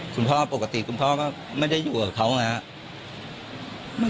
คุณพ่อปกติคุณพ่อก็ไม่ได้อยู่กับเขาไงครับ